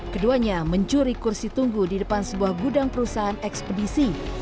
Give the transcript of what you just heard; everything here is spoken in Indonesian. keduanya mencuri kursi tunggu di depan sebuah gudang perusahaan ekspedisi